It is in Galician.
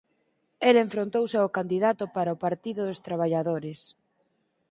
El enfrontouse ao candidato para o Partido dos Traballadores.